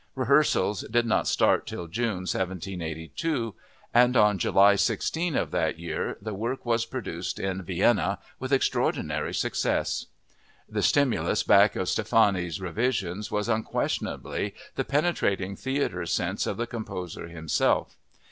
'" Rehearsals did not start till June 1782, and on July 16 of that year the work was produced in Vienna with extraordinary success. The stimulus back of Stephanie's revisions was unquestionably the penetrating theater sense of the composer himself.